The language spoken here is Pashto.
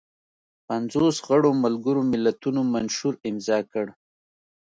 پنځوس غړو ملګرو ملتونو منشور امضا کړ.